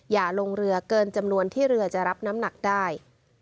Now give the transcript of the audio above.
อย่าลงเรือเกินจำนวนที่เรือจะรับน้ำหนักได้